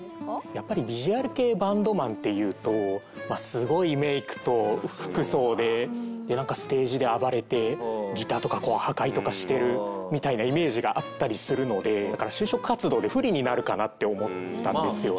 やっぱりヴィジュアル系バンドマンっていうとすごいメイクと服装でなんかステージで暴れてギターとか破壊とかしてるみたいなイメージがあったりするのでだから就職活動で不利になるかなって思ったんですよね。